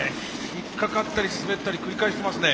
引っ掛かったり滑ったり繰り返してますね。